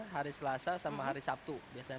hari selasa sama hari sabtu biasanya